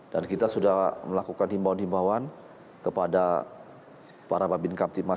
dan kita sudah melakukan himbawan himbawan kepada para mbak bin kanti mas